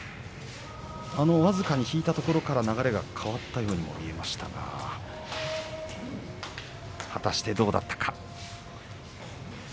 僅かに引いたところから流れが変わったように見えましたが果たしてどうだったのか。